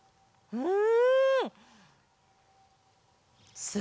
うん。